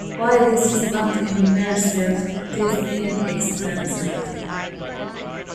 While this is not immersive, it is inexpensive.